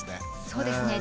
そうですね。